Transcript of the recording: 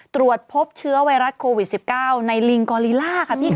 ตรวจพบเชื้อไวรัสโควิด๑๙ในลิงกอลิล่าค่ะพี่ค่ะ